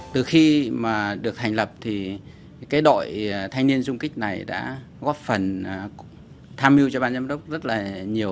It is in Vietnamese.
từ khi mà được thành lập thì cái đội thanh niên xung kích này đã góp phần tham mưu cho ban giám đốc rất là nhiều